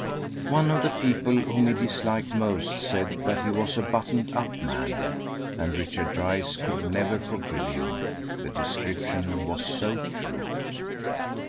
One of the people whom he disliked most said that he was "a buttoned up man," and Richard Dryce could never forgive him the description was so true.